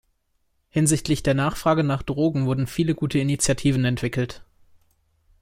Hinsichtlich der Nachfrage nach Drogen wurden viele gute Initiativen entwickelt.